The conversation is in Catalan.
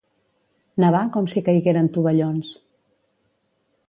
Nevar com si caigueren tovallons.